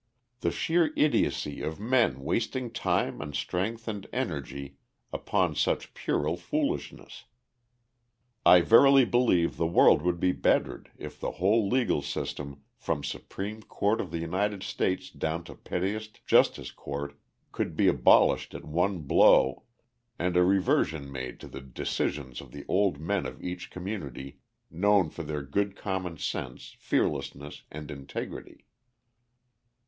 The sheer idiocy of men wasting time and strength and energy upon such puerile foolishness. I verily believe the world would be bettered if the whole legal system, from supreme court of the United States down to pettiest justice court, could be abolished at one blow, and a reversion made to the decisions of the old men of each community known for their good common sense, fearlessness, and integrity.